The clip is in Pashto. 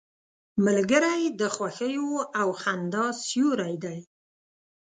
ملګری د خوښیو او خندا سیوری دی